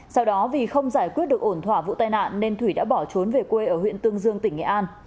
sau đó vì không giải quyết được ổn thỏa vụ tai nạn nên thủy đã bỏ trốn về quê ở huyện tương dương tỉnh nghệ an